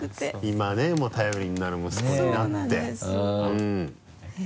今ねもう頼りになる息子になってそうなんです。